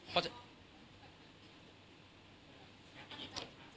เพราะจะ